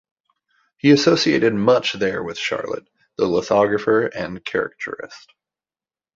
He associated much there with Charlet, the lithographer and caricaturist.